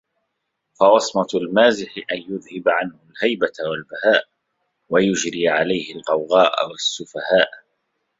فَوَصْمَةُ الْمَازِحِ أَنْ يُذْهِبَ عَنْهُ الْهَيْبَةَ وَالْبَهَاءَ ، وَيُجْرِيَ عَلَيْهِ الْغَوْغَاءَ وَالسُّفَهَاءَ